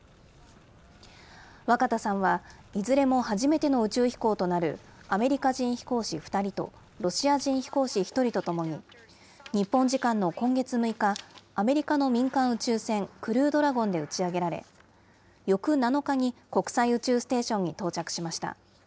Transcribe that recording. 若田さんは、いずれも初めての宇宙飛行となるアメリカ人飛行士２人とロシア人飛行士１人とともに、日本時間の今月６日、アメリカの民間宇宙船クルードラゴンで打ち上げられ、翌７日に国際宇宙ステーションに到着しました。